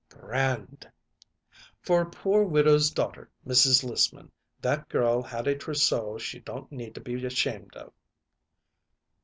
"Grand!" "For a poor widow's daughter, Mrs. Lissman, that girl had a trousseau she don't need to be ashamed of."